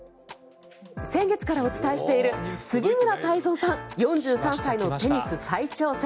先月からお伝えしている杉村太蔵さん、４３歳のテニス再挑戦。